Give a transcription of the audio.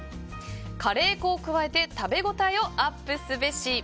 カレー粉を加えて食べ応えをアップすべし。